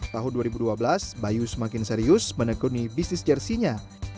tahun dua ribu dua belas bayu semakin serius menekuni bisnis jersinya